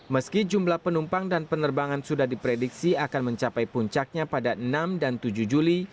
meski jumlah penumpang dan penerbangan sudah diprediksi akan mencapai puncaknya pada enam dan tujuh juli